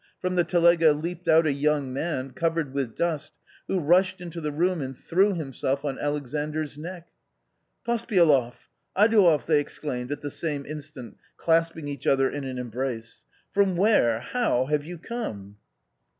From the telega leaped out a young man, covered with dust, who rushed into the room and threw himself on Alexandr's neck. " Pospveloffl" —" Adouev !" they exclaimed, at the same instant clasping each other in an embrace. "From where — how — have you come?"